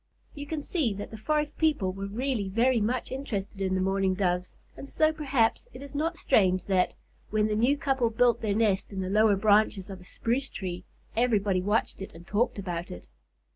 You can see that the forest people were really very much interested in the Mourning Doves, and so, perhaps, it is not strange that, when the new couple built their nest in the lower branches of a spruce tree, everybody watched it and talked about it.